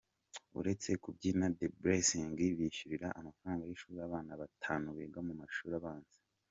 Uretse kubyina, The Blessing bishyurira amafaranga y’ishuri abana batanu biga mu mashuri abanza.